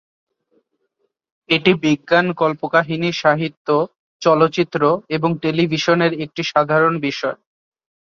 এটি বিজ্ঞান কল্পকাহিনী সাহিত্য, চলচ্চিত্র, এবং টেলিভিশনের একটি সাধারণ বিষয়।